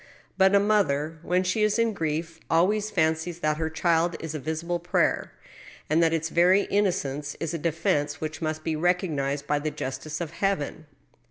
But a mother, when she is in grief, always fancies that her child is a visible prayer, and that its very innocence is a defense which must be recognized by the justice of Heaven.